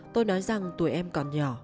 tôi nói rằng tuổi em còn nhỏ